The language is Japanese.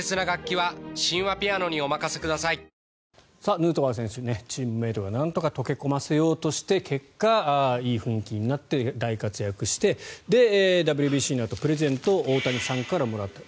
ヌートバー選手チームメートがなんとか溶け込ませようとして結果、いい雰囲気になって大活躍してで、ＷＢＣのあとプレゼントを大谷さんからもらったと。